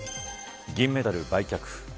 銀メダル売却。